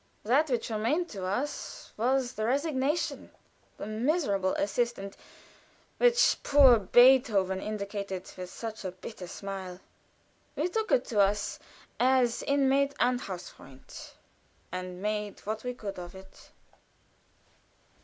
That which remained to us was the "Resignation," the "miserable assistant" which poor Beethoven indicated with such a bitter smile. We took it to us as inmate and Hausfreund, and made what we could of it.